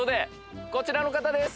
こちらの方です。